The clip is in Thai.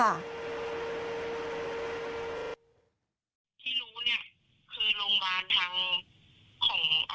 ทางโรงพยาบาลเข่าย้อยให้รอเจ้าหน้าที่